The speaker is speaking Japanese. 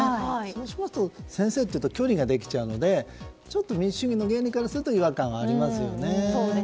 それを先生と呼ぶと距離ができちゃうのでちょっと民主主義の原理からすると違和感はありますね。